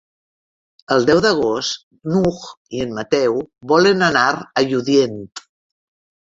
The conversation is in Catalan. El deu d'agost n'Hug i en Mateu volen anar a Lludient.